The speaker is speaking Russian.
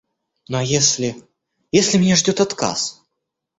Ну, а если, если меня ждет отказ?...